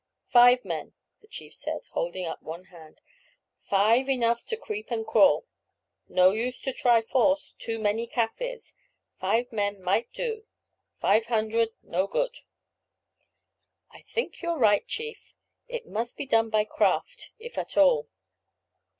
"Five men," the chief said, holding up one hand; "five enough to creep and crawl. No use to try force; too many Kaffirs. Five men might do; five hundred no good." "I think you are right, chief. It must be done by craft if at all."